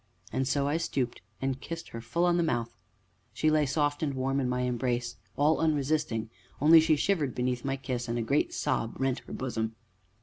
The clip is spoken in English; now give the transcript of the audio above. And so I stooped and kissed her full upon the mouth. She lay soft and warm in my embrace, all unresisting, only she shivered beneath my kiss, and a great sob rent her bosom.